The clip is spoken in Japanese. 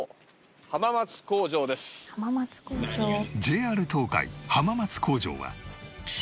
ＪＲ 東海浜松工場は